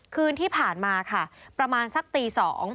คืนที่ผ่านมาค่ะประมาณสักตี๒